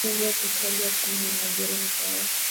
na hivyo kutajwa kama muajiri mzoefu